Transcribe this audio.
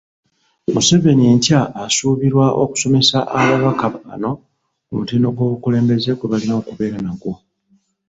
Museveni enkya asuubirwa okusomesa ababaka bano ku mutindo gw'obukulembeze gwe balina okubeera nagwo.